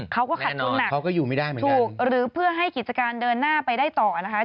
เขาก็ขัดทุนอ่ะถูกหรือเพื่อให้กิจการเดินหน้าไปได้ต่อนะคะแน่นอนเขาก็อยู่ไม่ได้เหมือนกัน